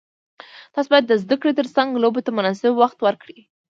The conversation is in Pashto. تاسو باید د زده کړې ترڅنګ لوبو ته مناسب وخت ورکړئ.